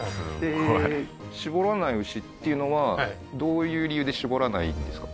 はいで搾らない牛っていうのはどういう理由で搾らないんですか？